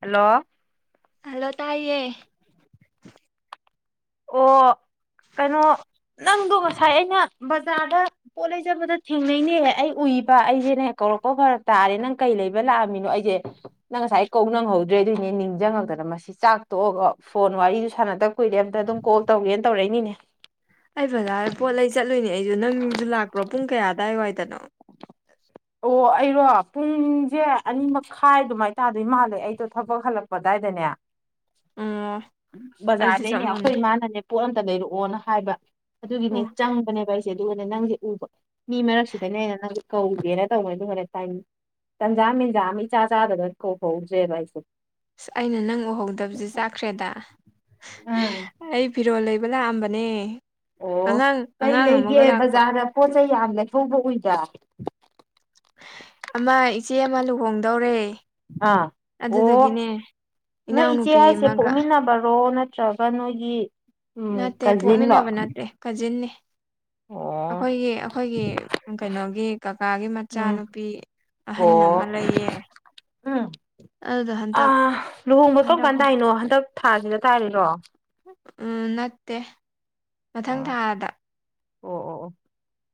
hello ꯇꯌꯦ ꯑꯣ ꯀꯩꯅꯣ ꯅꯪꯗꯣ ꯉꯁꯥꯏ ꯑꯩꯅ ꯕꯖꯥꯔꯗ ꯄꯣꯠ ꯂꯩꯖꯕꯗ ꯊꯦꯡꯅꯩꯅꯦꯍ ꯑꯩ ꯎꯏꯕ ꯑꯩꯁꯦꯅꯦꯀꯣ ꯍꯧꯔꯛꯄ ꯐꯔ ꯇꯥꯔꯦ ꯅꯪ ꯀꯩ ꯂꯩꯕ ꯂꯥꯛꯑꯃꯤꯅꯣ ꯑꯩꯁꯦ ꯅꯪ ꯉꯁꯥꯏ ꯀꯧ ꯅꯪꯍꯧꯗ꯭ꯔꯦ ꯑꯗꯨꯏꯅꯦ ꯅꯤꯡꯁꯤꯡꯉꯛꯇꯅ ꯃꯁꯤ ꯆꯥꯛ ꯇꯣꯛꯑꯒ ꯐꯣꯟ ꯋꯥꯔꯤꯗꯨ ꯁꯥꯟꯅꯗꯕ ꯀꯨꯏꯔꯦ ꯑꯝꯇ ꯑꯗꯨꯝ ꯀꯣꯜ ꯇꯧꯒꯦꯅ ꯇꯧꯔꯛꯏꯅꯤꯅꯦ ꯑꯩ ꯐꯖ ꯄꯣꯠ ꯂꯩ ꯆꯠꯂꯨꯅꯦ ꯑꯩꯁꯨ ꯅꯪꯁꯨ ꯂꯥꯛꯄ꯭ꯔꯣ ꯄꯨꯡ ꯀꯌꯥꯗꯥꯋꯥꯏ ꯋꯥꯏꯗꯅꯣ ꯑꯣ ꯑꯩꯔꯣ ꯄꯨꯡꯁꯦ ꯑꯅꯤ ꯃꯈꯥꯏ ꯑꯗꯨꯃꯥꯏ ꯇꯥꯗꯣꯏ ꯃꯥꯜꯂꯦ ꯑꯩꯗꯣ ꯊꯕꯛ ꯍꯜꯂꯛꯄꯗꯥꯏ ꯑꯣ [inaudible] ꯑꯩꯁꯨ ꯆꯞ ꯕꯖꯥꯔꯗꯩꯅꯦ ꯑꯩꯈꯣꯏ ꯃꯥꯟꯅꯩ ꯏꯃꯥꯅꯅꯦ ꯄꯣꯠ ꯑꯝꯇ ꯂꯩꯔꯛꯑꯣꯅ ꯍꯥꯏꯕ ꯑꯗꯨꯒꯤꯅꯦ ꯑꯣ ꯆꯪꯕꯅꯦꯕ ꯑꯩꯁꯦ ꯑꯗꯨꯒꯅꯦ ꯅꯪꯁꯦ ꯎꯕ ꯃꯤ ꯃꯔꯛꯁꯤꯗꯅꯦꯅ ꯅꯪꯁꯦ ꯀꯧꯒꯦꯅ ꯇꯧꯉꯩ ꯑꯗꯨꯒꯅꯦ ꯇꯟꯖꯥ ꯃꯟꯖꯥ ꯃꯤꯆꯥ ꯆꯥꯗꯗꯅ ꯀꯣꯛ ꯍꯧꯧꯖꯦꯕ ꯑꯩꯁꯦ ꯑꯁ ꯑꯩꯅ ꯅꯪ ꯎꯍꯧꯗꯕꯁꯦ ꯆꯥꯈ꯭ꯔꯦꯗ ꯎꯝ ꯑꯩ ꯐꯤꯔꯣꯜ ꯂꯩ ꯀꯕꯅ ꯑꯝꯕꯅꯦ ꯑꯣ ꯀꯩ ꯂꯩꯒꯦ ꯕꯖꯥꯔꯗ ꯄꯣꯠ ꯆꯩꯩ ꯌꯥꯝ ꯂꯩꯊꯧꯕ ꯎꯏꯗ꯭ꯔꯥ ꯑꯃ ꯏꯆꯦ ꯑꯃ ꯂꯨꯍꯣꯡꯗꯧꯔꯦ ꯑꯥ ꯑꯣ ꯑꯗꯨꯗꯨꯒꯤꯅꯦ ꯅꯣꯏ ꯏꯆꯦ ꯏꯅꯥꯎꯅꯨꯄꯤ ꯍꯥꯏꯁꯦ ꯑꯃꯒ ꯄꯣꯛꯃꯤꯟꯅꯕꯔꯣ ꯅꯠꯇ꯭ꯔꯒ ꯅꯣꯏꯒꯤ ꯎꯝ ꯅꯠꯇꯦ ꯀꯖꯤꯟꯂꯣ ꯄꯣꯛꯃꯤꯟꯅꯕ ꯅꯠꯇꯦ ꯀꯖꯤꯟꯅꯤ ꯑꯣ ꯑꯩꯈꯣꯏꯒꯤ ꯑꯩꯈꯣꯏꯒꯤ ꯀꯩꯅꯣꯒꯤ ꯀꯀꯥꯒꯤ ꯎꯝ ꯃꯆꯥꯅꯨꯄꯤ ꯑꯍꯟ ꯑꯃ ꯑꯣ ꯂꯩꯌꯦ ꯎꯝ ꯑꯗꯨꯗ ꯍꯟꯗꯛ ꯑꯥ ꯂꯨꯍꯣꯡꯕ ꯀꯔꯝ ꯍꯟꯗꯛ ꯀꯥꯟ ꯇꯏꯅꯣ ꯍꯟꯗꯛ ꯊꯥꯁꯤꯗ ꯇꯥꯔꯤꯔꯣ ꯎꯝ ꯅꯠꯇꯦ ꯃꯊꯪ ꯊꯥꯗ ꯑꯣ ꯑꯣ ꯑꯣ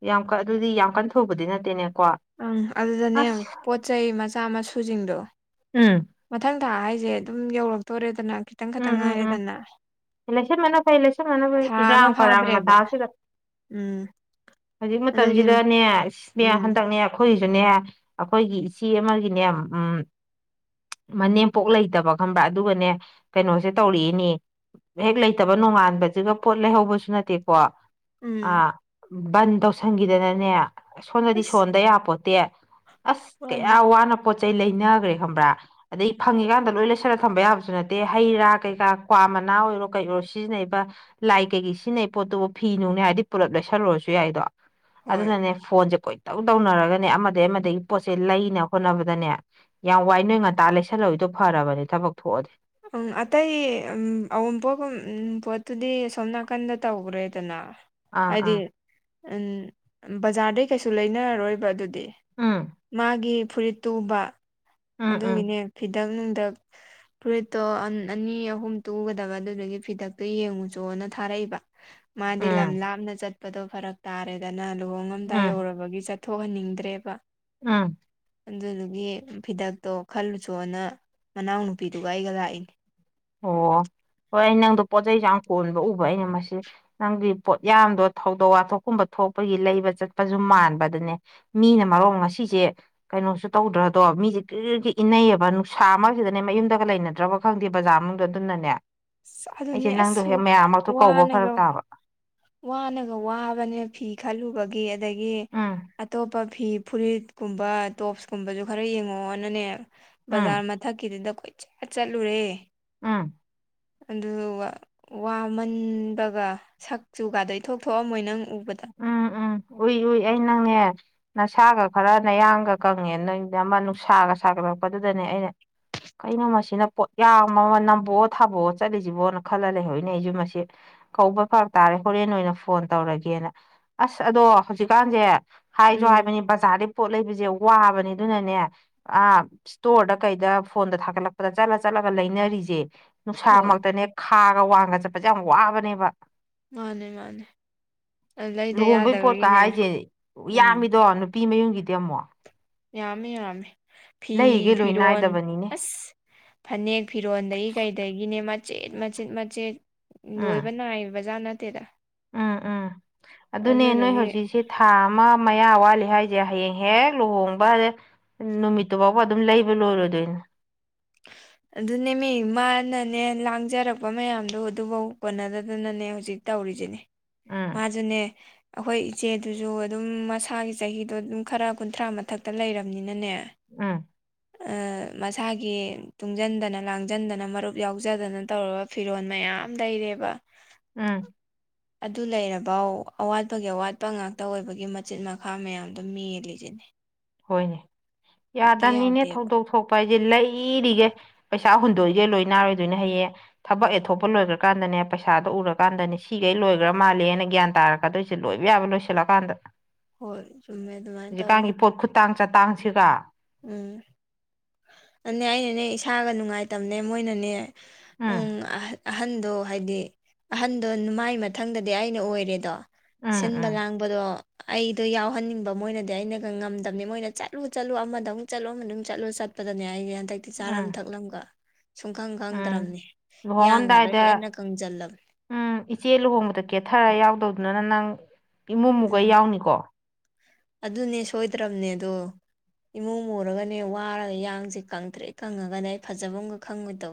ꯌꯥꯝ ꯀ ꯑꯗꯨꯗꯤ ꯌꯥꯝ ꯀꯟꯅ ꯊꯧꯕꯗꯤ ꯅꯠꯇꯦꯅꯦ ꯑꯪ ꯑꯗꯨꯗꯅꯦ ꯄꯣꯠ ꯆꯩ ꯃꯆꯥ ꯃꯁꯨꯁꯤꯡꯗꯣ ꯎꯝ ꯃꯊꯪ ꯊꯥ ꯍꯥꯏꯁꯦ ꯑꯗꯨꯝ ꯌꯧꯔꯛꯇꯣꯔꯦꯗꯅ ꯈꯤꯇꯪ ꯈꯛꯇꯪ ꯉꯥꯏꯔꯦꯗꯅ ꯂꯁꯟ ꯃꯟꯅ ꯐꯩ ꯂꯩꯁꯟ ꯃꯅ ꯐꯩ ꯊꯥ ꯑꯃ ꯏꯔꯥꯡ ꯄꯔꯥꯡ ꯐꯥꯗ꯭ꯔꯦꯕ ꯃꯇꯥꯁꯤꯗ ꯎꯝ ꯍꯧꯖꯤꯛ ꯑꯗꯨꯒꯤ ꯃꯇꯝꯁꯤꯗꯅꯦꯅꯦ ꯎꯝ ꯍꯟꯗꯛꯅꯦ ꯑꯩꯈꯣꯏ ꯑꯗꯨꯨꯅꯦ ꯑꯩꯈꯣꯏꯒꯤ ꯏꯆꯦ ꯑꯃꯒꯤꯅꯦ ꯎꯝ ꯃꯅꯦꯝꯄꯣꯛ ꯂꯩꯇꯕ ꯈꯟꯕ꯭ꯔꯥ ꯑꯗꯨꯒꯅꯦ ꯀꯩꯅꯣꯁꯦ ꯇꯧꯔꯛꯏꯅꯦ ꯍꯦꯛ ꯂꯩꯇꯕ ꯅꯣꯡꯉꯥꯟꯕꯁꯤꯒ ꯄꯣꯠ ꯂꯩꯍꯧꯕꯁꯨ ꯅꯠꯇꯦꯀꯣ ꯑ ꯎꯝ ꯕꯟ ꯇꯧꯁꯟꯈꯤꯗꯅꯅꯦ ꯁꯣꯝꯗꯗꯤ ꯑꯁ ꯁꯣꯟꯣꯟꯗ ꯌꯥꯄꯣꯠꯇꯦ ꯑꯁ ꯀꯦ ꯃꯥꯅꯦ ꯑ ꯋꯥꯅ ꯄꯣ ꯃꯆ ꯆꯩ ꯂꯩꯅꯈ꯭ꯔꯦ ꯈꯪꯕ꯭ꯔꯥ ꯑꯗꯩ ꯐꯪꯉꯤꯀꯥꯟꯗ ꯂꯣꯏ ꯂꯩꯁꯜꯂꯒ ꯊꯝꯕ ꯌꯥꯕꯁꯨ ꯅꯠꯇꯦ ꯍꯩ ꯔꯥ ꯀꯩꯀꯥ ꯀ꯭ꯋꯥ ꯑꯣꯏꯔ ꯀꯩ ꯑꯣꯏꯣ ꯁꯤꯖꯤꯟꯅꯩꯕ ꯂꯥꯏ ꯀꯩꯀ ꯁꯤꯖꯤꯟꯅꯩ ꯄꯣꯠꯇꯨꯕꯨ ꯐꯤ ꯅꯨꯡꯅꯦ ꯍꯥꯏꯔꯗꯤ ꯄꯨꯂꯞ ꯂꯩꯁꯜꯂꯨꯔꯁꯨ ꯌꯥꯏꯗꯣ ꯍꯣꯏ ꯑꯗꯨꯅꯅꯦ ꯐꯣꯟꯁꯦ ꯀꯣꯏ ꯇꯧ ꯇꯧꯅꯔꯒꯅꯦ ꯑꯃꯗꯒꯤ ꯑꯃꯗꯒꯤ ꯄꯣꯠꯁꯦ ꯂꯩꯅ ꯍꯣꯠꯅꯕꯗꯅꯦ ꯌꯥꯝ ꯋꯥꯏ ꯅꯣꯏ ꯉꯟꯇꯥ ꯂꯩꯁꯜꯂꯛꯏꯗꯣ ꯐꯔꯕꯅꯦ ꯊꯕꯛ ꯊꯣꯛꯑꯗꯤ ꯎꯝ ꯑꯇꯩ ꯑꯎꯡꯄꯣꯛꯨꯝ ꯄꯣꯠꯇꯨꯗꯤ ꯁꯣꯝ ꯅꯥꯀꯟꯗ ꯇꯧꯈ꯭ꯔꯦꯗꯅ ꯑ ꯑ ꯍꯥꯏꯗꯤ ꯎꯝ ꯕꯖꯥ꯭ꯔꯗꯩ ꯀꯩꯁꯨ ꯂꯩꯅꯔꯔꯣꯏꯕ ꯑꯗꯨꯗꯤ ꯎꯝ ꯃꯥꯒꯤ ꯐꯨꯔꯤꯠ ꯇꯨꯕ ꯎꯝ ꯎꯝ ꯑꯗꯨꯒꯤꯅꯦ ꯐꯤꯗꯛ ꯅꯨꯡꯗꯛ ꯐꯨꯔꯤꯠꯇꯣ ꯑꯅꯤ ꯑꯍꯨꯝ ꯇꯨꯒꯗꯕ ꯑꯗꯨꯗꯨꯒꯤ ꯐꯤꯗꯛꯇꯣ ꯌꯦꯡꯉꯨ ꯆꯣꯅ ꯊꯥꯔꯛꯏꯕ ꯃꯥꯗꯤ ꯂꯝ ꯎꯝ ꯂꯥꯞꯅ ꯆꯠꯄꯗꯣ ꯐꯔꯛ ꯇꯥꯔꯦꯗꯅ ꯂꯨꯍꯣꯡꯉꯝꯗꯥ ꯌꯧꯔꯕꯒꯤ ꯆꯠ ꯊꯣꯛꯍꯟꯅꯤꯡꯗ꯭ꯔꯦꯕ ꯑꯥ ꯑꯗꯨꯗꯨꯒꯤ ꯐꯤꯗꯛꯇꯣ ꯈꯜꯂꯨꯁꯣꯅ ꯃꯅꯥꯎꯅꯨꯄꯤꯗꯨꯒ ꯑꯩꯒ ꯂꯥꯛꯏꯅꯦ ꯑꯣ ꯍꯣꯏ ꯑꯩ ꯅꯪꯗꯣ ꯄꯣꯠꯆꯩꯁꯦ ꯌꯥꯝ ꯀꯣꯟꯕ ꯎꯕ ꯑꯩꯅ ꯃꯁꯤ ꯅꯪꯒꯤ ꯄꯣꯠ ꯌꯥꯝꯗꯣ ꯊꯧꯗꯣꯛ ꯋꯥꯊꯣꯛꯀꯨꯝꯕ ꯊꯣꯛꯄꯒꯤ ꯂꯩꯕ ꯆꯠꯄꯁꯨ ꯃꯥꯟꯕ ꯑꯗꯨꯅꯦ ꯃꯤꯅ ꯃꯔꯣꯡ ꯉꯁꯤꯁꯦ ꯀꯩꯅꯣꯁꯨ ꯇꯧꯗ꯭ꯔꯗꯣ ꯃꯤꯁꯦ ꯀ ꯏꯅꯩꯌꯦꯕ ꯅꯨꯡꯁꯥ ꯑꯃꯁꯤꯗꯅꯦ ꯃꯌꯨꯝꯗꯒ ꯂꯩꯅꯗ꯭ꯔꯕ ꯈꯪꯗꯦ ꯕꯖꯥꯔ ꯃꯅꯨꯡꯗ ꯑꯗꯨꯅꯅꯦ ꯑꯁ ꯑꯩꯁꯦ ꯑꯗꯨꯅꯦ ꯅꯪꯗꯣ ꯑꯁ ꯍꯦꯛ ꯃꯌꯥꯝꯃꯛꯇꯣ ꯀꯧꯕ ꯋꯥꯅꯒ ꯐꯔꯛ ꯇꯥꯕ ꯋꯥꯅꯒ ꯋꯥꯕꯅꯦ ꯐꯤ ꯈꯜꯂꯨꯕꯒꯤ ꯑꯗꯒꯤ ꯎꯝ ꯑꯇꯣꯞꯄ ꯐꯤ ꯐꯨꯔꯤꯠꯀꯨꯝꯕ ꯇꯣꯞꯁꯀꯨꯝꯕꯁꯨ ꯈꯔ ꯌꯦꯡꯉꯛꯑꯣꯅꯅꯦ ꯎꯝ ꯕꯖꯥꯔ ꯃꯊꯛꯀꯤꯗꯨꯗ ꯀꯈꯣꯏ ꯆꯠ ꯆꯠꯂꯨꯔꯦ ꯎꯝ ꯑꯗꯨ ꯋꯥꯃꯟꯕꯒ ꯁꯛꯆꯨꯒꯗꯩ ꯊꯣꯛ ꯊꯣꯛꯑꯝꯃꯣꯏ ꯅꯪ ꯎꯕꯗ ꯎꯝ ꯎꯝ ꯎꯏ ꯎꯏ ꯑꯩ ꯅꯪꯅꯦ ꯅꯁꯥꯒ ꯈꯔ ꯅꯌꯥꯡꯒ ꯀꯪꯉꯦ ꯅꯣꯏ ꯑꯃ ꯅꯨꯡꯁꯥꯒ ꯁꯥꯒꯠ ꯇꯧꯔꯛꯄꯗꯨꯗꯅꯦ ꯑꯩꯅ ꯀꯩꯅꯣ ꯃꯁꯤꯅ ꯄꯣꯠ ꯌꯥꯝꯕꯃ ꯅꯝꯝꯕꯑꯣ ꯊꯥꯕꯣꯛꯑꯣ ꯆꯠꯂꯤꯁꯤꯕꯣꯅ ꯈꯜꯂ ꯂꯩꯍꯖꯤꯅꯦ ꯑꯩꯁꯨ ꯃꯁꯤ ꯀꯧꯕ ꯐꯥ ꯇꯥꯔꯦ ꯍꯣꯔꯦꯟ ꯑꯣꯏꯅ ꯐꯣꯟ ꯇꯧꯔꯒꯦꯅ ꯑꯁ ꯑꯗꯣ ꯍꯧꯖꯤꯛꯀꯥꯟꯁꯦ ꯍꯥꯏꯁꯨ ꯎꯝ ꯍꯥꯏꯕꯅꯤ ꯕꯖꯥꯔꯗ ꯄꯣꯠ ꯂꯩꯕꯁꯦ ꯋꯥꯕꯅꯦ ꯑꯗꯨꯅꯅꯦ ꯑ ꯏꯁꯇꯣꯔꯗ ꯀꯩꯗ ꯐꯣꯟꯗ ꯊꯥꯒꯠꯂꯛꯄꯗ ꯆꯠꯂꯠ ꯆꯠꯂꯒ ꯂꯩꯅꯔꯤꯁꯦ ꯍꯣꯏ ꯅꯨꯡꯁꯥꯃꯛꯇꯅꯦ ꯈꯥꯒ ꯋꯥꯡꯒ ꯆꯠꯄꯁꯦ ꯌꯥꯝ ꯋꯥꯕꯅꯦꯕ ꯃꯥꯅꯦ ꯃꯥꯅꯦ ꯂꯩꯗ ꯂꯨꯍꯣꯡꯕꯩ ꯄꯣꯠꯀ ꯌꯥꯗꯕꯒꯤꯅꯦ ꯍꯥꯏꯁꯦ ꯎꯝ ꯌꯥꯝꯃꯤꯗꯣ ꯅꯨꯄꯤ ꯃꯌꯨꯝꯒꯤꯗꯤ ꯑꯃꯨꯛ ꯌꯥꯝꯃꯤ ꯌꯥꯝꯃꯤ ꯐꯤ ꯂꯩꯔꯤꯒꯩ ꯂꯣꯏ ꯐꯤꯔꯣꯜ ꯅꯥꯏꯗꯕꯅꯤꯅꯦ ꯑꯁ ꯐꯅꯦꯛ ꯐꯤꯔꯣꯟꯜꯗꯒꯤ ꯀꯩꯗꯒꯤꯅꯦ ꯃꯆꯦꯠ ꯃꯆꯦꯠ ꯃꯆꯦꯠ ꯎꯝ ꯂꯣꯏꯕ ꯅꯥꯏꯌꯦꯕ ꯕꯖꯥꯔꯠ ꯅꯠꯇꯦꯗ ꯎꯝ ꯎꯝ ꯑꯗꯨꯅꯦ ꯅꯣꯏ ꯑꯗꯨꯗꯨꯒꯤ ꯍꯧꯖꯤꯛꯁꯦ ꯊꯥ ꯑꯃ ꯃꯌꯥ ꯋꯥ ꯂꯤ ꯍꯥꯏꯁꯦ ꯍꯌꯦꯡ ꯍꯦꯛ ꯂꯨꯍꯣꯡꯕ ꯅꯨꯃꯤꯠꯇꯨ ꯐꯥꯎꯕ ꯑꯗꯨꯝ ꯂꯩꯕ ꯂꯣꯏꯔꯣꯏꯗꯣꯏꯅꯦ [inaudible] ꯑꯗꯨꯅꯦ ꯃꯤ ꯃꯥꯅꯅꯦ ꯂꯥꯡꯖꯔꯛꯄ ꯃꯌꯥꯝꯗꯣ ꯑꯗꯨꯐꯧ ꯀꯣꯟꯅꯗꯗꯅꯅꯦ ꯍꯧꯖꯤꯛ ꯇꯧ ꯔꯤꯖꯤꯅꯤ ꯎꯝ ꯃꯥꯖꯨꯅꯦ ꯑꯩꯈꯣꯏ ꯏꯆꯦꯗꯨꯁꯨ ꯑꯗꯨꯝ ꯃꯁꯥꯒꯤ ꯆꯍꯤꯗꯣ ꯑꯗꯨꯝ ꯈꯔ ꯀꯨꯟꯊ꯭ꯔꯥ ꯃꯊꯛꯇ ꯂꯩꯔꯕꯝꯅꯤꯅꯅꯦ ꯎꯝ ꯃꯁꯥꯒꯤ ꯇꯨꯡꯁꯤꯟꯗꯅ ꯂꯥꯡꯁꯤꯟꯗꯅ ꯃꯔꯨꯞ ꯌꯥꯎꯖꯗꯅ ꯇꯧꯒ ꯐꯤꯔꯣꯜ ꯃꯌꯥꯝ ꯂꯩꯔꯦꯕ ꯎꯝ ꯑꯗꯨ ꯂꯩꯔꯕ ꯑꯋꯥꯠꯄꯒꯤ ꯑꯋꯥꯠꯄ ꯉꯥꯛꯇ ꯑꯣꯏꯕꯒꯤ ꯃꯆꯤꯟ ꯃꯈꯥ ꯃꯌꯥꯝꯗꯨꯣ ꯃꯡꯂꯤꯁꯤꯅꯦ ꯍꯣꯏꯅꯦ ꯌꯥꯗꯕꯅꯤꯅꯦ ꯌꯥꯗꯦꯕ ꯊꯧꯗꯣꯛ ꯊꯣꯛꯄ ꯍꯥꯏꯁꯦ ꯂꯩꯔꯤꯒꯦ ꯄꯩꯁꯥ ꯍꯨꯟꯗꯣꯛꯏꯒꯦ ꯂꯣꯏ ꯅꯥꯔꯣꯏꯗꯣꯏꯅꯦ ꯍꯌꯦꯡ ꯊꯕꯛ ꯑꯦꯊꯣꯛꯄ ꯂꯣꯏꯈ꯭ꯔꯀꯥꯟꯗꯅꯦ ꯄꯩꯁꯥꯗꯣ ꯎꯔꯀꯥꯟꯗꯅꯤ ꯁꯤꯈꯩ ꯂꯣꯏꯈ꯭ꯔ ꯃꯥꯜꯂꯦꯅ ꯒ꯭ꯌꯥꯟ ꯇꯥꯔꯛꯀꯗꯣꯏꯁꯦ ꯂꯣꯏꯕ ꯌꯥꯕ ꯂꯣꯏꯁꯤꯜꯂꯀꯥꯟꯗ ꯍꯣꯏ ꯆꯨꯝꯃꯦ ꯑꯗꯨꯃꯥꯏꯅ ꯇꯧ ꯍꯧꯖꯤꯛꯀꯥꯟꯒꯤ ꯄꯣꯠ ꯈꯨꯇꯥꯡ ꯆꯥꯇꯥꯡꯁꯤꯒ ꯇꯝꯅꯦ ꯃꯣꯏꯅꯅꯦ ꯎꯝ ꯑꯍꯟꯗꯣ ꯍꯥꯏꯗꯤ ꯑꯍꯟꯗꯣ ꯅꯃꯥꯏ ꯃꯊꯪꯗꯗꯤ ꯑꯩꯅ ꯑꯣꯏꯔꯦꯗꯣ ꯎꯝ ꯁꯤꯟꯕ ꯎꯝ ꯂꯥꯡꯕꯗꯣ ꯑꯩꯗꯣ ꯌꯥꯎꯍꯟꯅꯤꯡꯕ ꯃꯣꯏꯅꯗꯤ ꯑꯩꯅꯒ ꯉꯝꯗꯕꯅꯤ ꯃꯣꯏꯅ ꯆꯠꯂꯨ ꯆꯠꯂꯨ ꯑꯃ ꯑꯃꯨꯛ ꯆꯠꯂꯣ ꯃꯅꯨꯡ ꯆꯠꯂꯣ ꯆꯠꯄꯗꯅꯦ ꯑꯩꯅꯦ ꯍꯟꯗꯛꯇꯤ ꯆꯥꯔꯝ ꯎꯝ ꯊꯛꯂꯝꯒ ꯁꯨꯡꯈꯪ ꯎꯝ ꯈꯪꯗ꯭ꯔꯕꯅꯤ ꯏꯌꯥꯡꯒꯗꯣ ꯂꯨꯍꯣꯡꯉꯝꯗꯥꯏꯗ ꯍꯦꯟꯅ ꯀꯪꯖꯜꯂꯕꯅꯤ ꯎꯝ ꯏꯆꯦ ꯂꯨꯍꯣꯡꯕꯗ ꯀꯦꯊꯔ ꯌꯥꯎꯗꯧꯅ ꯑꯗꯨꯅ ꯅꯪ ꯏꯃꯨꯡꯃꯨꯒ ꯎꯝ ꯌꯥꯎꯅꯤꯀꯣ ꯑꯗꯨꯅꯦ ꯁꯣꯏꯗ꯭ꯔꯕꯅꯦꯗꯣ ꯏꯃꯨꯡ ꯃꯔꯒꯅꯦ ꯋꯥꯔꯒ ꯌꯥꯡꯁꯦ ꯀꯪꯗ꯭ꯔꯦ ꯀꯪꯉꯒꯅ ꯑꯩ ꯐꯖꯕ ꯑꯃꯒ ꯈꯪꯉꯣꯏꯗꯧ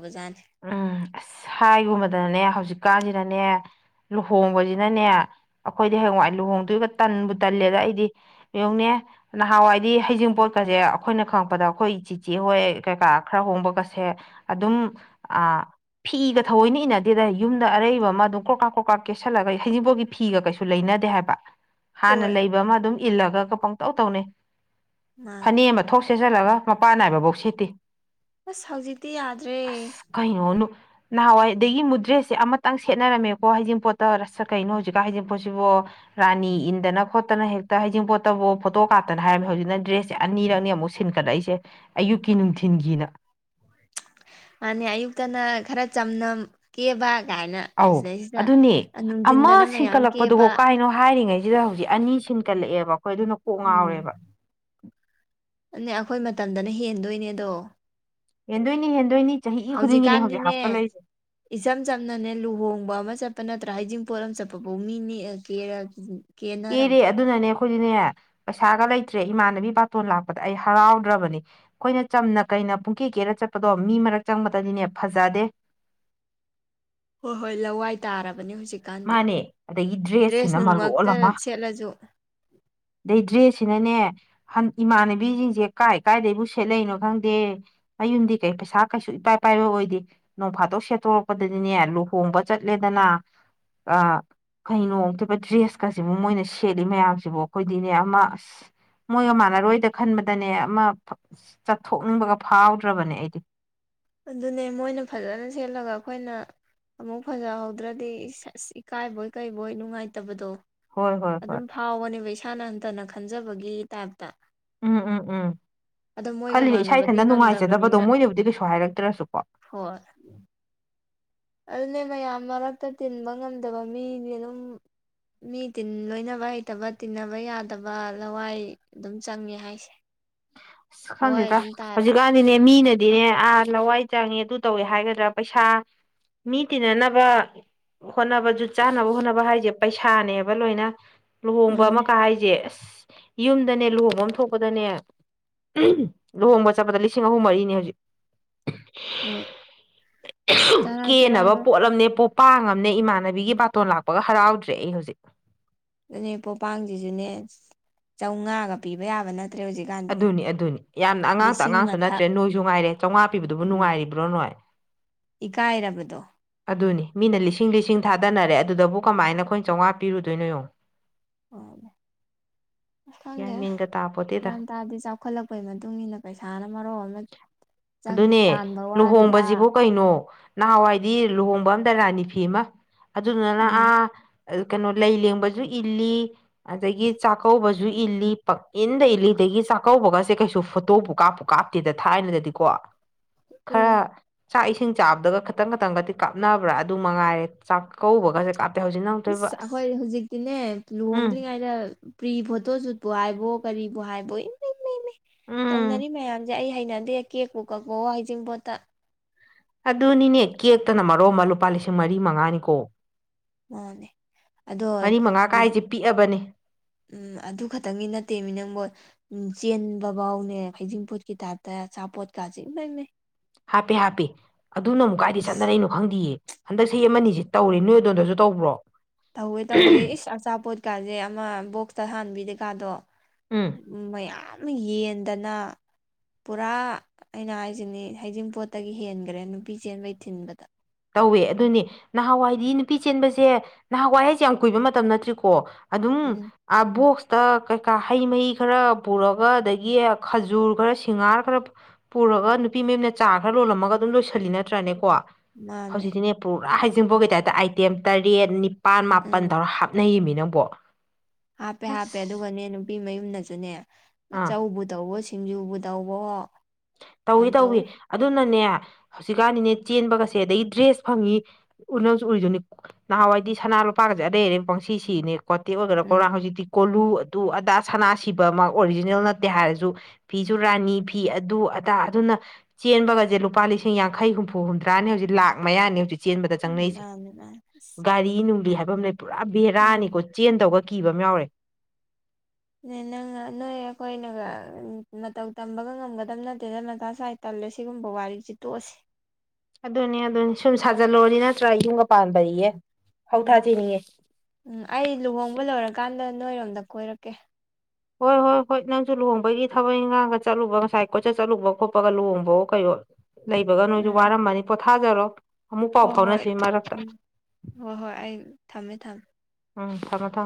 ꯎꯝ ꯑꯁ ꯍꯥꯏꯒꯨꯝꯕꯗꯅꯅꯦ ꯍꯧꯖꯤꯛꯀꯥꯟꯁꯤꯗꯅꯦ ꯂꯨꯍꯣꯡꯕꯁꯤꯅꯅꯦ ꯑꯩꯈꯣꯏꯗꯤ ꯍꯌꯦꯡꯋꯥꯏ ꯂꯨꯍꯣꯡꯗꯣꯏꯒ ꯇꯟꯕꯨ ꯇꯜꯂꯦꯗ ꯑꯩꯗꯤ ꯌꯦꯡꯅꯦ ꯅꯍꯥꯟꯋꯥꯏꯗꯤ ꯍꯩꯖꯤꯡꯄꯣꯠꯀꯁꯦ ꯑꯩꯈꯣꯏꯅ ꯈꯪꯛꯗ ꯑꯩꯈꯣꯏ ꯆꯤꯆꯦ ꯍꯣꯏ ꯀꯩꯀꯥ ꯈꯔ ꯍꯣꯡꯕꯒꯁꯦ ꯑꯗꯨꯝ ꯑꯥ ꯐꯤꯒ ꯊꯧꯑꯣꯏꯅ ꯏꯅꯗꯦꯗ ꯌꯨꯝꯗ ꯑꯔꯩꯕ ꯑꯃ ꯑꯗꯨꯝ ꯀ꯭ꯔꯀꯥꯛ ꯀ꯭ꯔꯀꯥꯥꯛ ꯀꯦꯠꯁꯜꯂꯒ ꯍꯩꯖꯤꯕꯥꯎꯒꯤ ꯐꯤꯒ ꯀꯩꯁꯨ ꯂꯩꯅ ꯌꯥꯗꯦ ꯍꯥꯏꯕ ꯍꯥꯟꯅ ꯍꯣꯏ ꯂꯩꯕ ꯑꯃ ꯑꯗꯨꯝ ꯏꯜꯂꯒꯒ ꯄꯪꯇꯧ ꯇꯧꯅꯩ ꯃꯥꯅꯦ ꯐꯅꯦꯛ ꯑꯃ ꯊꯣꯛ ꯁꯦꯠꯆꯜꯂꯒ ꯃꯄꯥꯟ ꯅꯥꯏꯕꯐꯧ ꯁꯤꯦꯠꯇꯤ ꯑꯁ ꯍꯧꯖꯤꯛꯇꯤ ꯌꯥꯗ꯭ꯔꯦ ꯑꯁ ꯀꯩꯅꯣ ꯅꯍꯥꯟꯋꯥꯏ ꯑꯗꯒꯤ ꯃꯨꯗ꯭ꯔꯦꯁꯁꯦ ꯑꯃꯇꯪ ꯁꯦꯠꯔꯝꯃꯦꯀꯣ ꯍꯥꯏꯖꯤꯟꯄꯣꯠꯇ ꯔ ꯀꯩꯅꯣꯖꯤꯛꯀ ꯍꯠ ꯄꯣꯠꯁꯤꯕꯨꯣ ꯔꯥꯅꯤ ꯏꯟꯗꯅ ꯈꯣꯠꯇꯅ ꯍꯦꯛꯇ ꯍꯩꯤꯡꯣꯠꯇꯕꯨꯣ ꯐꯣꯇꯣ ꯀꯥꯞꯇꯅ ꯍꯥꯏꯔꯃꯦ ꯍꯧꯖꯤꯛꯅ ꯗ꯭ꯔꯦꯁꯦ ꯑꯅꯤꯔꯛꯅꯤ ꯑꯃꯨꯛ ꯁꯤꯟꯀꯠꯂꯛꯏꯁꯦ ꯑꯌꯨꯛꯀꯤ ꯅꯨꯡꯊꯤꯤꯟꯒꯤꯅ ꯑꯅꯤ ꯑꯌꯨꯛꯇꯅ ꯈꯔ ꯆꯝꯅꯝ ꯀꯦꯕ ꯑꯗꯨꯥꯏꯅ ꯑꯧ ꯁꯤꯗꯩꯁꯤꯗ ꯑꯗꯨꯅꯦ ꯑꯃ ꯅꯨꯡꯊꯤꯟꯗꯅ ꯃꯌꯥꯝ ꯀꯦꯕ ꯁꯤꯗ ꯍꯧꯖꯤꯛ ꯑꯅꯤ ꯁꯤꯟꯀꯠꯂꯛꯑꯦꯕ ꯑꯩꯈꯣꯏ ꯑꯗꯨꯅ ꯀꯣꯛ ꯉꯥꯎꯔꯦꯕ ꯅꯦ ꯑꯩꯈꯣꯏ ꯃꯇꯝꯗꯅ ꯍꯦꯟꯗꯣꯏꯅꯦꯗꯣ ꯍꯦꯟꯗꯣꯏꯅꯤ ꯍꯦꯟꯗꯣꯏꯅꯤ ꯆꯍꯤ ꯈꯨꯗꯤꯡꯒꯤꯅꯤ ꯍꯧꯖꯤꯛ ꯍꯧꯖꯤꯛꯀꯥꯟꯗꯤꯅꯦ ꯍꯥꯞꯀꯠꯂꯛꯏꯁꯦ ꯏꯆꯝ ꯆꯝꯅꯅꯦ ꯂꯨꯍꯣꯡꯕ ꯑꯃ ꯆꯠꯄ ꯅꯠꯇ꯭ꯔꯥ ꯍꯩꯖꯤꯡ ꯄꯣꯠꯂꯝ ꯆꯠꯄꯐꯥꯎ ꯃꯤꯅꯤ ꯀꯦꯔ ꯀꯦꯅꯔꯝꯃꯤ ꯑꯦꯔꯦ ꯑꯗꯨꯅꯅꯦ ꯑꯩꯈꯣꯏꯗꯤꯅꯦ ꯄꯩꯁꯥꯒ ꯂꯩꯇ꯭ꯔꯦ ꯏꯃꯥꯟꯅꯕꯤ ꯕꯥꯇꯣꯟ ꯂꯥꯛꯄꯗ ꯑꯩ ꯍꯔꯥꯎꯗ꯭ꯔꯕꯅꯤ ꯑꯩꯈꯣꯏꯅ ꯆꯝꯅ ꯀ ꯑꯩꯅ ꯄꯨꯡꯀꯤ ꯀꯦꯔ ꯆꯠꯄꯗꯣ ꯃꯤ ꯃꯔꯛ ꯆꯪꯕꯗꯗꯤꯅꯦ ꯐꯖꯗꯦ ꯍꯣꯏ ꯍꯣꯏ ꯂꯋꯥꯏ ꯇꯥꯔꯕ ꯅꯤ ꯍꯧꯖꯤꯛꯀꯥꯟꯗꯤ ꯃꯥꯅꯦ ꯑꯗꯒꯤ ꯗ꯭ꯔꯦꯁ ꯗ꯭ꯔꯦꯁꯁꯤꯅ ꯅꯨꯡꯃꯛꯇ ꯁꯦꯠꯂꯁꯨ ꯗꯗ꯭ꯦꯁ ꯁꯤꯅꯅꯦ ꯏꯃꯥꯟꯅꯕꯤꯁꯤꯡꯁꯦ ꯀꯥꯏ ꯀꯥꯏꯗꯩꯕꯨ ꯁꯦꯠꯂꯛꯏꯅꯣ ꯈꯪꯗꯦ ꯑꯩ ꯌꯨꯝꯗꯤ ꯀꯩ ꯄꯩꯁꯥ ꯀꯩꯁꯨ ꯏꯄꯥꯏ ꯄꯥꯏꯕ ꯑꯣꯏꯗꯦ ꯅꯣꯡ ꯐꯥꯠꯇꯣꯛ ꯁꯦꯠꯇꯣꯔꯛꯄꯗꯗꯤꯅꯦ ꯂꯨꯍꯣꯡꯕ ꯆꯠꯂꯦꯗꯅ ꯑꯥ ꯀꯩꯅꯣꯝꯇꯣꯏꯕ ꯗ꯭ꯔꯦꯁꯀꯁꯤꯕꯨ ꯃꯣꯏꯅ ꯁꯦꯠꯂꯤ ꯃꯌꯥꯝꯁꯤꯕꯨ ꯑꯩꯈꯣꯏꯗꯤꯅꯦ ꯑꯃ ꯑꯁ ꯃꯣꯏꯒ ꯃꯥꯟꯅꯔꯣꯏꯗ ꯈꯟꯕꯗꯅꯦ ꯑꯃ ꯆꯠꯊꯣꯛꯅꯤꯡꯕꯒ ꯐꯥꯎꯗ꯭ꯔꯕꯅꯦ ꯑꯩꯗꯤ ꯑꯗꯨꯅꯦ ꯃꯣꯏꯅ ꯐꯖꯅ ꯁꯦꯠꯂꯒ ꯑꯩꯈꯣꯏꯅ ꯑꯃꯨꯛ ꯐꯖꯍꯧꯗ꯭ꯔꯗꯤ ꯑꯁ ꯏꯀꯥꯏꯕꯣꯏ ꯀꯩꯕꯣꯏ ꯅꯨꯡꯉꯥꯏꯇꯕꯗꯣ ꯍꯣꯏ ꯍꯣꯏ ꯍꯣꯏ ꯑꯗꯨꯝ ꯐꯥꯎꯕꯅꯦꯕ ꯏꯁꯥꯅ ꯍꯟꯇꯅ ꯈꯟꯖꯕꯒꯤ ꯇꯥꯏꯞ ꯎꯝ ꯎꯝ ꯎꯝ ꯑꯗꯣ ꯃꯣꯏꯒ ꯈꯜꯂꯤꯅꯦ ꯏꯁꯥ ꯃꯥꯟꯅꯕꯗꯤ ꯏꯊꯟꯇ ꯅꯨꯡꯉꯥꯏꯖꯗꯕꯗꯣ ꯉꯝꯗꯕꯅꯤꯅ ꯃꯣꯏꯅꯕꯨꯗꯤ ꯀꯩꯁꯨꯨꯝ ꯍꯥꯏꯔꯛꯇ꯭ꯔꯁꯨꯄꯥ ꯍꯣꯏ ꯑꯗꯨꯅꯦ ꯃꯌꯥꯝ ꯃꯔꯛꯇ ꯇꯤꯟꯕ ꯉꯝꯗꯕ ꯃꯤꯗꯤ ꯑꯗꯨꯝ ꯃꯤ ꯇꯤꯟ ꯂꯣꯏꯅꯕ ꯍꯩꯇꯕ ꯇꯤꯟꯅꯕ ꯌꯥꯗꯕ ꯂꯋꯥꯏ ꯑꯗꯨꯝ ꯆꯪꯉꯦ ꯍꯥꯏꯁꯦ ꯍꯋꯥꯏ ꯈꯪꯗꯗ ꯑꯗꯨꯝ ꯇꯥꯔꯦ ꯍꯧꯖꯤꯛꯀꯥꯟꯗꯤꯅꯦ ꯃꯤꯅ ꯑꯗꯨꯅꯦ ꯑꯥ ꯂꯋꯥꯏ ꯆꯪꯉꯦ ꯑꯗꯨ ꯇꯧꯋꯦ ꯍꯥꯏꯒꯗ꯭ꯔꯥ ꯄꯩꯁꯥ ꯃꯤ ꯇꯤꯟꯅꯅꯕ ꯍꯣꯠꯅꯕꯖ ꯆꯥꯅꯕ ꯍꯣꯠꯅꯕ ꯍꯥꯏꯁꯦ ꯄꯩꯁꯥꯅꯦꯕ ꯂꯣꯏꯅ ꯂꯨꯍꯣꯡꯕ ꯃꯥꯅꯦ ꯑꯃꯀ ꯍꯥꯏꯁꯦ ꯑꯁ ꯌꯨꯝꯗꯅꯦ ꯂꯨꯍꯣꯡꯕ ꯑꯃ ꯊꯣꯛꯄꯗꯅꯦ ꯂꯨꯍꯣꯡꯕ ꯆꯠꯄꯗ ꯂꯤꯁꯤꯡ ꯑꯍꯨꯝ ꯃꯔꯤꯅꯤ ꯍꯧꯖꯤꯛ ꯍ ꯇꯔꯥꯏ ꯇꯔꯥꯏꯕ ꯄꯥꯡꯉꯝꯅꯦ ꯏꯃꯥꯟꯅꯕꯤꯒꯤ ꯕꯥꯇꯣꯟ ꯂꯥꯛꯄꯒ ꯍꯔꯥꯎꯗ꯭ꯔꯦ ꯑꯩ ꯍꯧꯖꯤꯛ ꯑꯗꯨꯅꯦ ꯄꯣꯄꯥꯡꯁꯤꯁꯨꯅꯦ ꯆꯝꯃꯉꯥꯒ ꯄꯤꯕ ꯌꯥꯕ ꯅꯠꯇ ꯑꯗꯨꯅꯤ ꯑꯗꯨꯅꯤ ꯌꯥꯝꯅ ꯑꯉꯥꯡꯇ ꯂꯤꯁꯤꯡ ꯑꯉꯥꯡꯁꯨ ꯃꯊꯛ ꯅꯠꯇ꯭ꯔꯦ ꯅꯣꯏꯁꯨ ꯉꯥꯏꯔꯦ ꯆꯥꯝꯃꯉꯥ ꯄꯤꯗꯨꯕꯨ ꯎꯝ ꯅꯨꯡꯉꯥꯏꯔꯤꯕ꯭ꯔꯣ ꯅꯣꯏ ꯏꯀꯥꯏꯔꯕꯗꯣ ꯑꯗꯨꯅꯤ ꯃꯤꯅ ꯂꯤꯁꯤꯡ ꯂꯤꯁꯤꯡ ꯊꯥꯗꯅꯔꯦ ꯑꯗꯨꯗꯕꯨ ꯀꯃꯥꯏꯅ ꯑꯩꯈꯣꯏ ꯆꯥꯝꯃꯉꯥ ꯄꯤꯔꯨꯗꯣꯏꯅꯣ ꯌꯦꯉ ꯑ ꯀꯃꯤꯒ ꯇꯥꯕ ꯒ꯭ꯌꯥꯟ ꯇꯥꯗꯦ ꯆꯥꯎꯈꯠꯂꯛꯄꯩ ꯃꯇꯨꯡ ꯏꯟꯅ ꯄꯩꯁꯥꯅ ꯃꯔꯣꯛ ꯑꯃ ꯆꯪ ꯑꯗꯨꯅꯦ ꯇꯥꯟꯕ ꯋꯥꯔꯤꯕ ꯂꯨꯍꯣꯡꯕꯁꯤꯕꯨ ꯀꯩꯅꯣ ꯅꯍꯥꯟꯋꯥꯏꯗꯤ ꯂꯨꯍꯣꯡꯕ ꯑꯝꯗ ꯔꯥꯅꯤ ꯐꯤ ꯑꯃ ꯑꯗꯨꯗꯨꯅ ꯎꯝ ꯑꯥ ꯀꯩꯅꯣ ꯂꯩ ꯂꯦꯡꯕꯁꯨ ꯏꯜꯂꯤ ꯑꯗꯒꯤ ꯆꯥꯛꯀꯧꯕꯁꯨ ꯏꯜꯂꯤ ꯄꯪ ꯏꯟꯗ ꯏꯜꯂꯤꯗ ꯑꯗꯒꯤ ꯆꯥꯛꯀꯧꯕꯒꯁꯦ ꯀꯩꯁꯨ ꯐꯣꯇꯣꯕꯨ ꯀꯥꯞꯄꯨ ꯀꯥꯞꯇꯦꯗ ꯊꯥꯏꯅꯗꯗꯤ ꯀꯣ ꯈꯔ ꯎꯝ ꯆꯥꯛ ꯏꯁꯤꯡ ꯆꯥꯕꯗꯒ ꯈꯤꯇꯪ ꯈꯇꯪꯒꯗꯤ ꯀꯥꯞꯅꯕ꯭ꯔꯥ ꯑꯗꯨ ꯃꯉꯥꯏꯔꯦ ꯆꯥꯛꯀꯧꯕꯒꯁꯦ ꯍꯧꯖꯤꯛꯅ ꯑꯃꯨꯛ ꯇꯧꯏꯕ ꯏꯁꯁ ꯑꯁ ꯑꯩꯈꯣꯏ ꯍꯧꯖꯤꯛꯇꯤꯅꯦ ꯎꯝ ꯂꯨꯍꯣꯡꯗ꯭ꯔꯤꯉꯩꯗ ꯄ꯭ꯔꯤ ꯐꯣꯇꯣ ꯁꯨꯠꯄꯨ ꯍꯥꯏꯕꯣ ꯀꯔꯤ ꯍꯥꯏꯕ ꯏ ꯎꯝ ꯇꯧꯅꯔꯤ ꯃꯌꯥꯝꯁꯦ ꯑꯩ ꯍꯩꯅꯗꯦ ꯀꯦꯛꯄꯨ ꯀꯛꯄ ꯍꯩꯖꯤꯡꯕꯣꯠꯇ ꯑꯗꯨꯅꯤꯅꯦ ꯀꯦꯛꯇꯅ ꯃꯔꯣ ꯑꯃ ꯂꯨꯄꯥ ꯂꯤꯁꯤꯡ ꯃꯔꯤ ꯃꯉꯥꯅꯤꯀꯣ ꯃꯥꯅꯦ ꯑꯗꯣ ꯃꯔꯤ ꯃꯉꯥ ꯀꯥꯏꯁꯦ ꯄꯤꯛꯑꯕꯅꯦ ꯎꯝ ꯑꯗꯨ ꯈꯛꯇꯪꯒꯤ ꯅꯠꯇꯦ ꯃꯤ ꯅꯪꯝꯕꯣ ꯎ ꯆꯦꯟꯕ ꯐꯥꯎꯅꯦ ꯐꯩꯖꯤꯡꯄꯣꯠꯀꯤ ꯇꯥꯏꯞꯇ ꯑꯆꯥꯄꯣꯠꯀꯥꯁꯦ ꯏ ꯂꯩꯃꯦ ꯍꯥꯞꯄꯦ ꯍꯥꯞꯄꯦ ꯑꯗꯨꯅ ꯑꯃꯨꯛ ꯀꯥꯏꯗꯤ ꯆꯠꯅꯔꯩꯅꯣ ꯈꯪꯗꯌꯦ ꯍꯟꯗꯛ ꯆꯍꯤ ꯑꯃꯅꯤꯅꯤꯁꯤ ꯇꯧꯔꯤ ꯅꯣꯏ ꯑꯗꯣꯝꯗꯁꯨ ꯇꯧꯕ꯭ꯔꯣ ꯇꯧꯋꯦ ꯇꯧꯋꯦ ꯏꯁ ꯑꯆꯥꯄꯣꯠꯀꯥꯁꯦ ꯑꯃ ꯕꯣꯛꯁꯇ ꯍꯥꯟꯕꯤꯗꯦꯀꯥꯗꯣ ꯎꯝ ꯃꯌꯥꯝ ꯌꯦꯟꯗꯅ ꯄꯨꯔꯥ ꯑꯩꯅ ꯍꯥꯏꯁꯤꯅꯤ ꯍꯩꯖꯤꯡꯄꯣꯠꯇꯒꯤ ꯍꯦꯟꯈ꯭ꯔꯦ ꯅꯨꯄꯤ ꯆꯦꯟꯕꯩ ꯊꯤꯟꯕꯗ ꯇꯧꯋꯦ ꯑꯗꯨꯅꯤ ꯅꯍꯥꯟꯋꯥꯏꯗꯤ ꯅꯨꯄꯤ ꯆꯦꯟꯕꯁꯦ ꯅꯍꯥꯟꯋꯥꯏ ꯍꯥꯏꯁꯦ ꯌꯥꯝ ꯀꯨꯏꯕ ꯃꯇꯝ ꯅꯠꯇ꯭ꯔꯤꯀꯣ ꯑꯗꯨꯝ ꯎꯝ ꯑ ꯣꯛꯁ ꯇ ꯀꯩꯀꯥ ꯍꯩ ꯃꯍꯤ ꯈꯔ ꯄꯨꯔꯒ ꯑꯗꯒꯤ ꯈꯖꯨꯔ ꯈꯔ ꯁꯤꯡꯉꯥꯔ ꯈꯔ ꯄꯨ ꯒ ꯅꯨꯄꯤ ꯃꯌꯦꯝꯅ ꯆꯥ ꯈꯔ ꯂꯣꯜꯂꯝꯃꯒ ꯑꯗꯨꯝ ꯂꯣꯏꯁꯜꯂꯤ ꯅꯠꯇ꯭ꯔꯅꯦꯀꯣ ꯃꯥꯅꯦ ꯍꯧꯖꯤꯛꯇꯤꯅꯦ ꯄꯨꯔꯥ ꯍꯥꯏꯖꯟꯐꯥꯎꯒꯤ ꯇꯥꯏꯞꯇ ꯑꯥꯏꯇꯦꯝ ꯇꯔꯦꯠ ꯅꯤꯄꯥꯜ ꯎꯝ ꯃꯥꯄꯜꯗꯧꯔ ꯍꯥꯞꯅꯔꯤꯕꯃꯤꯅꯤ ꯌꯦ ꯄꯣ ꯍꯥꯞꯄꯦ ꯍꯥꯞꯄꯦ ꯑꯗꯨꯒꯅꯦ ꯅꯨꯄꯤ ꯃꯌꯨꯝꯅꯁꯨꯅꯦ ꯑꯥ ꯑꯆꯧꯕ ꯇꯧ ꯇ ꯁꯤꯡꯖꯨꯕꯨ ꯇꯕꯣ ꯇꯧꯏ ꯇꯧꯏ ꯑꯗꯨꯅꯅꯦ ꯍꯧꯖꯤꯛꯀꯥꯟꯅꯤꯅꯦ ꯆꯦꯟꯕꯒꯁꯦ ꯑꯗꯒꯤ ꯗ꯭ꯔꯦꯁ ꯐꯪꯉꯤ ꯎ ꯅꯪꯁꯨ ꯎꯔꯤꯗꯨꯅꯤ ꯅꯍꯥꯟꯋꯥꯏꯗꯤ ꯁ ꯂꯨꯄꯥꯒꯁꯦ ꯑꯔꯩ ꯑꯔꯩ ꯄꯪꯁꯤ ꯁꯤꯅꯦ ꯀꯣꯇꯦꯛ ꯑꯣꯏꯒꯦꯥ ꯀꯧꯔꯥ ꯎꯝ ꯍꯧꯖꯤꯛꯇꯤ ꯀꯣꯂꯨ ꯑꯗꯨ ꯑꯗꯥ ꯁꯅꯥ ꯁꯤꯕ ꯑꯃ ꯑꯣꯔꯤꯖꯤꯅꯦꯜ ꯅꯠꯇꯦ ꯍꯥꯏꯔꯁꯨ ꯐꯤꯁꯨ ꯔꯥꯅꯤ ꯐꯤ ꯑꯗꯨ ꯑꯗꯥ ꯑꯗꯨꯅ ꯆꯦꯟꯕꯒꯁꯦ ꯂꯨꯄꯥ ꯂꯤꯁꯤꯡ ꯌꯥꯡꯈꯩ ꯍꯨꯝꯐꯨ ꯍꯨꯝꯗ꯭ꯔꯥꯅꯦ ꯍꯧꯖꯤꯛ ꯂꯥꯛ ꯃꯌꯥꯅꯤ ꯍꯧꯖꯤꯛ ꯆꯦꯟꯕꯗ ꯆꯪꯅꯩꯁꯦ ꯃꯥꯅꯦ ꯃꯥꯅꯦ ꯑꯁ ꯒꯥꯔꯤ ꯅꯨꯡꯂꯤ ꯍꯥꯏꯕ ꯑꯃ ꯂꯩ ꯄꯨꯔꯥ ꯕꯦꯔꯥꯅꯤꯀꯣ ꯎꯝ ꯆꯦꯟꯗꯧꯕꯒ ꯑꯀꯤꯕ ꯑꯃ ꯌꯥꯎꯔꯦ ꯅꯪ ꯅꯣꯏ ꯑꯩꯈꯣꯏꯅ ꯃꯇꯧ ꯇꯝꯕꯒ ꯉꯝꯒꯗꯕ ꯅꯠꯇꯦꯗ ꯃꯇ ꯁ꯭ꯋꯥꯏꯗ ꯇ ꯜꯂ ꯁꯤꯒꯨꯝꯕ ꯋꯥꯔꯤꯁꯤ ꯇꯣꯛꯑꯁꯤ ꯑꯗꯨꯅꯤ ꯑꯗꯨꯅꯤ ꯁꯨꯝ ꯁꯥꯖꯜꯂꯨꯔꯅꯤ ꯅꯠꯇ꯭ꯔꯒ ꯌꯨꯝꯒ ꯄꯥꯟꯕ ꯏꯌꯦ ꯎꯝ ꯎꯝ ꯑꯩ ꯂꯨꯍꯣꯡꯕ ꯂꯣꯏꯔꯀꯥꯟꯗ ꯅꯣꯏꯔꯣꯝꯗ ꯀꯣꯏꯔꯛꯀꯦ ꯍꯣꯏ ꯍꯣꯏ ꯍꯣꯏ ꯅꯪꯁꯨ ꯂꯨꯍꯣꯡꯕꯒꯤ ꯊꯕꯛ ꯏꯪꯈꯥꯡꯒ ꯆꯠꯂꯨꯕ ꯉꯁꯥꯏ ꯀꯣꯆꯠ ꯆꯠꯂꯨꯕ ꯈꯣꯠꯄꯒ ꯂꯨꯍꯣꯡꯕꯥꯎ ꯀꯩꯣ ꯂꯩꯕꯒ ꯅꯣꯏꯁꯨ ꯎꯝ ꯋꯥꯔꯝꯃꯅꯤ ꯄꯣꯊꯥꯖꯔꯣ ꯑꯃꯨꯛ ꯄꯥꯎ ꯍꯣꯏ ꯍꯣꯏ ꯐꯥꯎꯅꯁꯤ ꯃꯔꯛꯇ ꯎꯝ ꯍꯣꯏ ꯍꯣꯏ ꯑꯩ ꯊꯝꯃꯦ ꯊꯝꯃꯦ ꯃ ꯊ